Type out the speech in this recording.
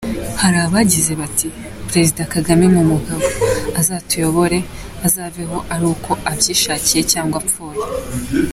Hari abagize bati: “Perezida Kagame ni umugabo, azatuyobore, azaveho ari uko abyishakiye cyangwa apfuye.